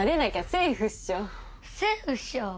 セーフっしょ。